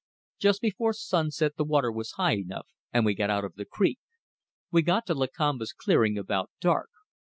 Just before sunset the water was high enough, and we got out of the creek. We got to Lakamba's clearing about dark.